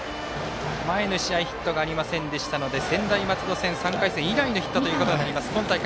前の試合ヒットがありませんでしたので専大松戸戦、３回戦以来のヒットとなりました。